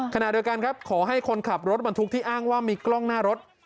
ขณะเดียวกันครับขอให้คนขับรถบรรทุกที่อ้างว่ามีกล้องหน้ารถ